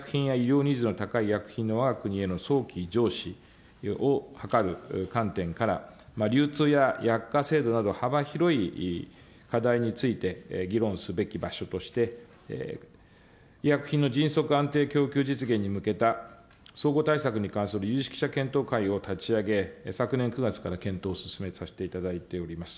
さらに革新的な医薬品や医療ニーズの高い医薬品へのわが国への早期じょうしを図る観点から、流通や薬価制度など幅広い課題について、議論すべき場所として、医薬品の迅速、安定供給実現に向けた総合対策に関する有識者検討会を立ち上げ、昨年９月から検討を進めさせていただいております。